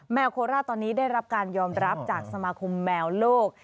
โคราชตอนนี้ได้รับการยอมรับจากสมาคมแมวโลก